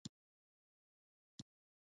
هغه په چل کې چلاکي کوي